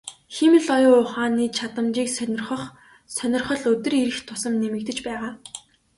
Хиймэл оюун ухааны чадамжийг сонирхох сонирхол өдөр ирэх тусам нэмэгдэж байгаа.